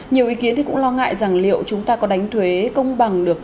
nhiều ý kiến thì cũng lo ngại rằng liệu chúng ta có đánh thuế công bằng được